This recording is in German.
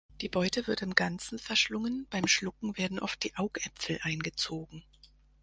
Die Beute wird im Ganzen verschlungen; beim Schlucken werden oft die Augäpfel eingezogen.